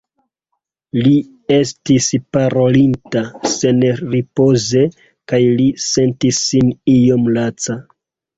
Li estis parolinta senripoze, kaj li sentis sin iom laca.